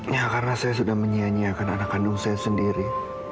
ya karena saya sudah menyianyiakan anak kandung saya sendiri